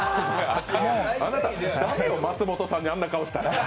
あなた、駄目よ、松本さんにあんな顔したら。